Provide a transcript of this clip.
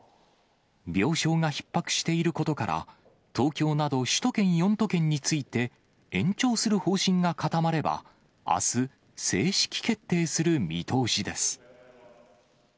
病床がひっ迫していることから、東京など首都圏４都県について延長する方針が固まれば、あす、正式決定する見通しです。